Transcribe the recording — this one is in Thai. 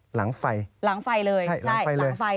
หลังไฟเลยใช่หลังไฟเลย